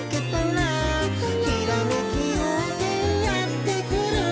「ひらめきようせいやってくる」